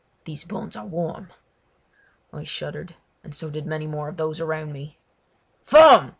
These bones are warm!" I shuddered, and so did many more of those around me. "Form!"